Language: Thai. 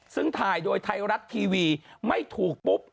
ซึ่งถ่ายโดยไทยรัฐทีวีไม่ถูกปุ๊บ